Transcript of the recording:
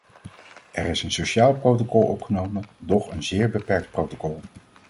Er is een sociaal protocol opgenomen, doch een zeer beperkt protocol.